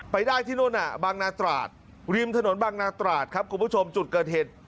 ได้ที่นู่นบางนาตราดริมถนนบางนาตราดครับคุณผู้ชมจุดเกิดเหตุ